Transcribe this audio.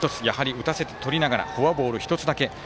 打たせてとりながらフォアボールは１つだけ。